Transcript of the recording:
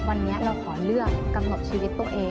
วันนี้เราขอเลือกกำหนดชีวิตตัวเอง